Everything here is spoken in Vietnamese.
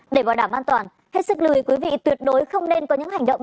để vào đảm an toàn hết sức lưu ý quý vị tuyệt đối không nên có những hành động